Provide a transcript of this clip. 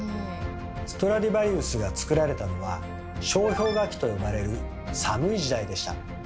ストラディヴァリウスが作られたのは「小氷河期」と呼ばれる寒い時代でした。